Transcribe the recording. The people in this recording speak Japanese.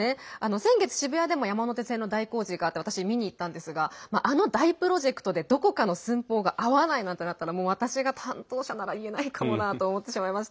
先月、渋谷でも山手線の大工事があって私、見に行ったんですがあの大プロジェクトで、どこかの寸法が合わないなんてなったら私が担当者なら言えないかもなと思ってしまいました。